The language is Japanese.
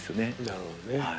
なるほどね。